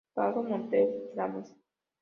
Pablo Monger Flames.